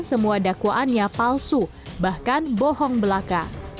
semua dakwaannya palsu bahkan bohong belaka